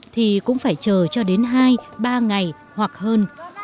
thì cũng phải chờ cho đến hai ba ngày hoặc hơn